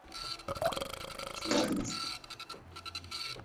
Achame kanisa